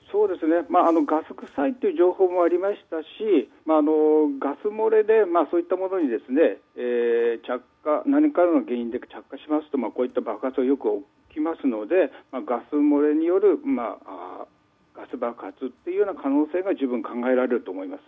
ガス臭いという情報もありましたしガス漏れでそういったものに何かが原因で着火しますとこういった爆発はよく起きますのでガス漏れによるガス爆発の可能性が十分考えられると思います。